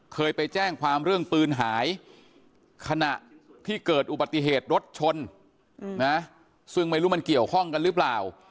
เคยไปแจ้งความเรื่องปืนหายขณะที่เกิดอุบัติเหตุรถชนนะซึ่งไม่รู้มันเกี่ยวข้องกันหรือเปล่า